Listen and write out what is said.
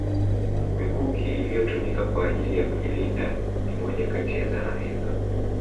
Mikuki iliyotumika kwa ajili ya kujilinda ni moja Kati ya zana hizo